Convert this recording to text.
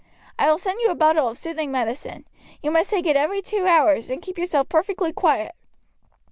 I will send you a bottle of soothing medicine. You must take it every two hours, and keep yourself perfectly quiet.